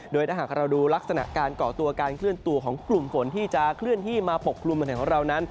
โดยถ้าหากเราดูลักษณะการก่อตัวการเคลื่อนตัวของกลุ่มฝนที่จะเคลื่อนที่มาปกปรุง